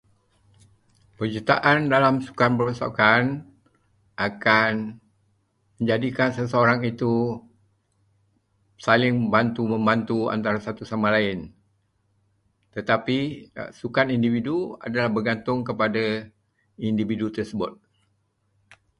Penyertaan dalam sukan berpasukan akan menjadikan seseorang itu saling bantu-membantu antara satu sama lain. Tetapi sukan individu adalah bergantung kepada individu tersebut.